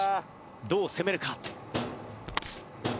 どう攻めるか？